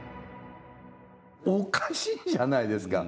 おかしいじゃないですか。